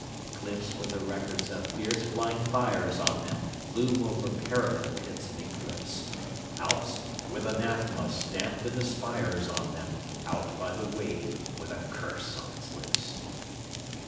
Cliffs with the records of fierce flying fires on them—Loom over perilous pits of eclipse; Alps, with anathema stamped in the spires on them—Out by the wave with a curse on its lips.